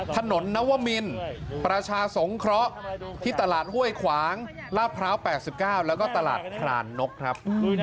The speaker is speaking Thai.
ถนนนวมินประชาสงเคราะห์ที่ตลาดห้วยขวางลาดพร้าว๘๙แล้วก็ตลาดพรานนกครับ